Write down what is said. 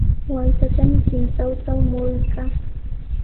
Waytatami qintrantraw mururqaa.